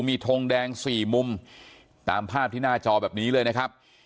มีทงแดงสี่มุมตามภาพที่หน้าจอแบบนี้เลยนะครับ